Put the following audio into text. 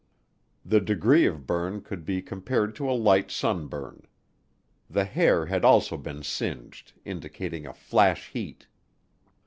The degree of burn could be compared to a light sunburn. The hair had also been singed, indicating a flash heat.